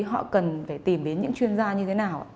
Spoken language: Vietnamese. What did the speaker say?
họ cần phải tìm đến những chuyên gia như thế nào ạ